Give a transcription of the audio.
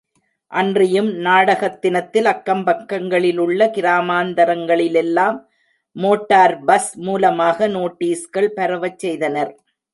அன்றியும் நாடகத் தினத்தில் அக்கம் பக்கங்களிலுள்ள கிராமாந்தரங்களிலெல்லாம், மோட்டார் பஸ் மூலமாக நோட்டீஸ்கள் பரவச் செய்தனர்.